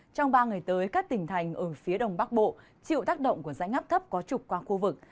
trong ba ngày tới các tỉnh thành ở phía đông bắc bộ chịu tác động của rãnh áp thấp có trục qua khu vực